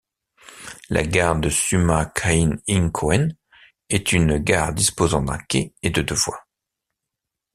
La gare de Sumakaihinkōen est une gare disposant d'un quai et de deux voies.